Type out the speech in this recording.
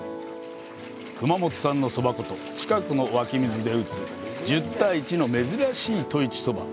熊本産のそば粉と近くの湧き水で打つ、１０対１の珍しい外一そば。